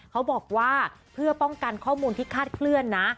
เขาบอกว่าเพื่อป้องกันข้อมูลที่คาดเคลื่อนนะ